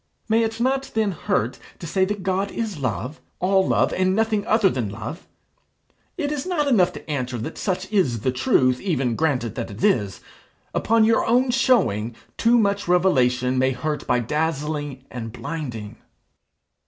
"May it not then hurt to say that God is Love, all love, and nothing other than love? It is not enough to answer that such is the truth, even granted that it is. Upon your own showing, too much revelation may hurt by dazzling and blinding."